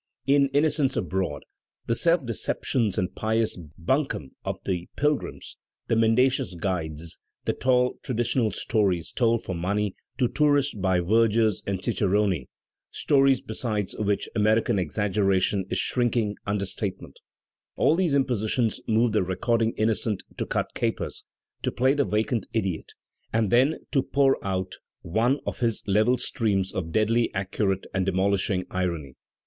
In "Innocents Abroad/* the self deceptions and pious buncome of the pilgrims, the mendacious guides, the "tall " traditional stories told for money to tourists by vergers and ciceroni (stories beside which "American exaggeration*' is shrinking understatement) — all these impositions move the recording Innocent to cut capers, to play the vacant idiot, and then to pour out one of his level streams of deadly ac curate and demolishing irony.